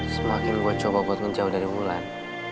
semakin gue coba buat menjauh dari mulan